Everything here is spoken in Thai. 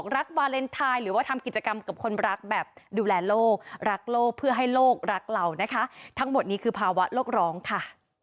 รักโลกเพื่อให้โลกรักเรานะคะทั้งหมดนี้คือภาวะโลกร้องค่ะ